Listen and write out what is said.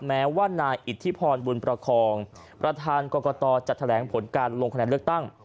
แม้ว่านายอิทธิพรบุญประคองประธานกรกตจะแถลงผลการลงคะแนนเลือกตั้ง